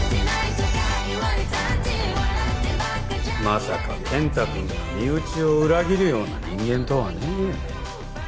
まさか健太君が身内を裏切るような人間とはね。